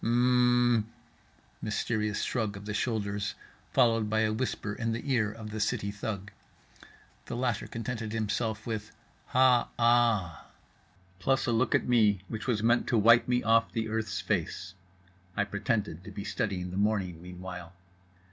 —"H mmm" mysterious shrug of the shoulders followed by a whisper in the ear of the city thug. The latter contented himself with "Ha aaa"—plus a look at me which was meant to wipe me off the earth's face (I pretended to be studying the morning meanwhile).